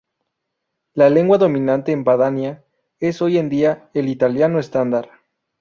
La lengua dominante en Padania es hoy en día el italiano estándar.